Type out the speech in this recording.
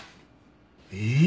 えっ？